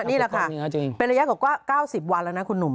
นี่แหละค่ะเป็นระยะกว่า๙๐วันแล้วนะคุณหนุ่ม